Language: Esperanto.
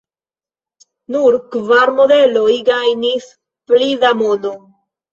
Nur kvar modeloj gajnis pli da mono.